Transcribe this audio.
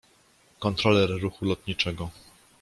Kontroler ruchu lotniczego.